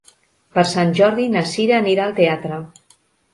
Per Sant Jordi na Cira anirà al teatre.